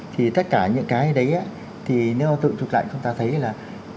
thì tất cả những cái đấy á thì nếu tự chụp lại chúng ta thấy là